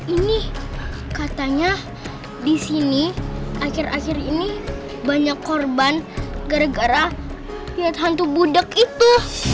ini katanya disini akhir akhir ini banyak korban gara gara lihat hantu budok itu